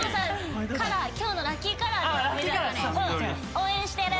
「応援してる！」。